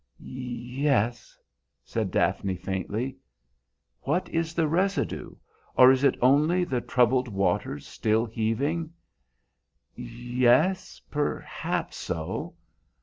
"Yes," said Daphne faintly. "What is the residue? Or is it only the troubled waters still heaving?" "Yes, perhaps so."